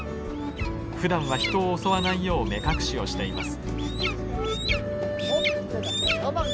ふだんは人を襲わないよう目隠しをしています。